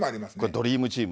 ドリームチーム。